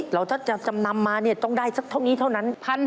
ถ้าจะจำนำมาเนี่ยต้องได้สักเท่านี้เท่านั้น